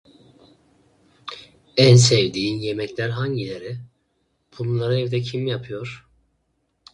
En sevdiğin yemekler hangileri? Bunları evde kim yapıyor?